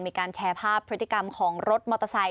มีการแชร์ภาพพฤติกรรมของรถมอเตอร์ไซค